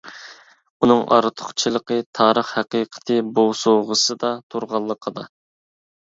ئۇنىڭ ئارتۇقچىلىقى تارىخ ھەقىقىتى بوسۇغىسىدا تۇرغانلىقىدا.